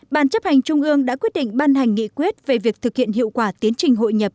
ban chấp hành trung ương đã quyết định ban hành nghị quyết về việc thực hiện hiệu quả tiến trình hội nhập